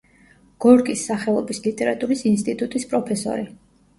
გორკის სახელობის ლიტერატურის ინსტიტუტის პროფესორი.